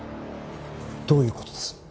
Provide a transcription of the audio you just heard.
どういう事です？